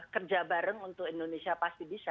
kerja bareng untuk indonesia pasti bisa